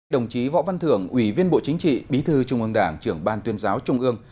đồng chí võ văn thưởng ủy viên bộ chính trị bí thư trung ương đảng trưởng ban tuyên giáo trung ương